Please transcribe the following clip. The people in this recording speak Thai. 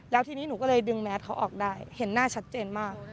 แล้วทีนี้หนูก็เลยดึงแมสเขาออกได้เห็นหน้าชัดเจนมาก